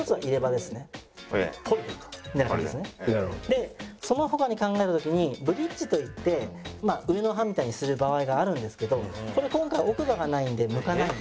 でその他に考えた時にブリッジといって上の歯みたいにする場合があるんですけどこれ今回奥歯がないんで向かないんですね。